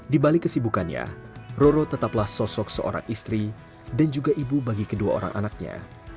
di balik kesibukannya roro tetaplah sosok seorang istri dan juga ibu bagi kedua orang anaknya